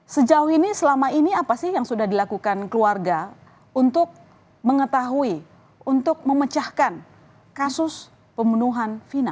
sejauh ini selama ini apa sih yang sudah dilakukan keluarga untuk mengetahui untuk memecahkan kasus pembunuhan vina